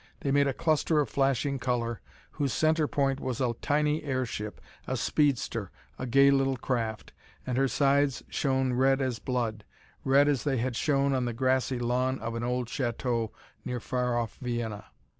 They made a cluster of flashing color whose center point was a tiny airship, a speedster, a gay little craft. And her sides shone red as blood red as they had shone on the grassy lawn of an old chateau near far off Vienna.